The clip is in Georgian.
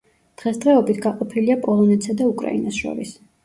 დღესდღეობით გაყოფილია პოლონეთსა და უკრაინას შორის.